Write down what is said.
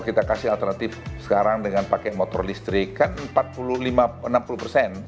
kita kasih alternatif sekarang dengan pakai motor listrik kan enam puluh persen